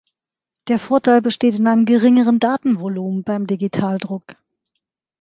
Der Vorteil besteht in einem geringeren Datenvolumen beim Digitaldruck.